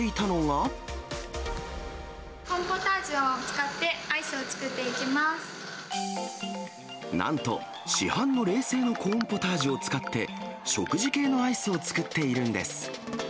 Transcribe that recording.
コーンポタージュを使って、なんと、市販の冷製のコーンポタージュを使って、食事系のアイスを作っているんです。